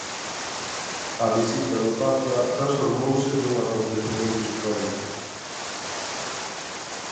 "A visita do Papa transformouse nun acontecemento histórico.